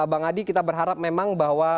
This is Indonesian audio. bang adi kita berharap memang bahwa